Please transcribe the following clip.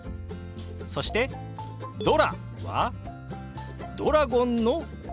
そして「ドラ」はドラゴンの「ドラ」。